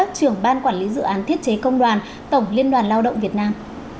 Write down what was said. trưởng ban quản lý dự án thiết chế công đoàn tổng liên đoàn lao động việt nam